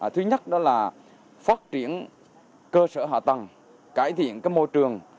thứ nhất đó là phát triển cơ sở hạ tầng cải thiện môi trường